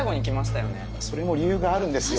それも理由があるんですよ。